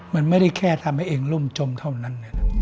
มันไม่ได้แค่ทำให้เองร่มจมเท่านั้น